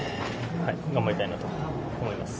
頑張りたいなとは思います。